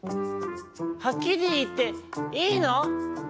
はっきりいっていいの？